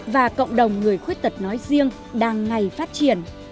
và cộng đồng người khuyết tật nói riêng đang ngày phát triển